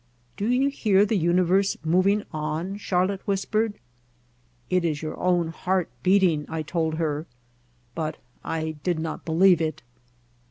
"Do you hear the universe moving on?" Char lotte whispered. "It is your own heart beating," I told her, but I did not believe it.